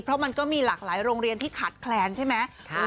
เพราะมันก็มีหลากหลายโรงเรียนที่ขาดแคลนใช่ไหม